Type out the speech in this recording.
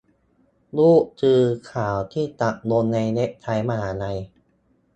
รูปคือข่าวตัดที่ลงในเว็บไซต์มหาลัย